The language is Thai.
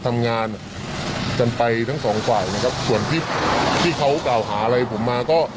ทำงานไปทั้งสองศรวายส่วนที่เขากล่าวหาอะไรมาผมมาก็